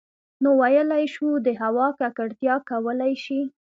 نـو ٫ويلـی شـوو د هـوا ککـړتـيا کـولی شـي